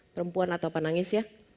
perempuan atau apa nangis ya